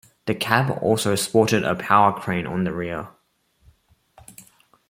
The cab also sported a powered crane on the rear.